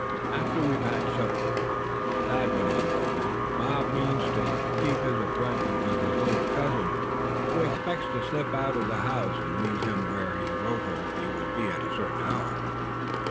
"After we've had supper," Thad went on warmly, "Bob means to go to keep his appointment with his little cousin, who expects to slip out of the house, and meet him where he wrote her he would be at a certain hour.